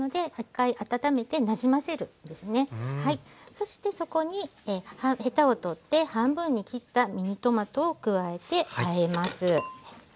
そしてそこにヘタを取って半分に切ったミニトマトを加えてあえます。